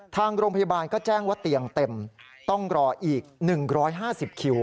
ทางโรงพยาบาลก็แจ้งว่าเตียงเต็มต้องรออีก๑๕๐คิว